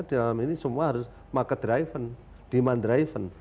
artinya dalam ini semua harus market driven demand driven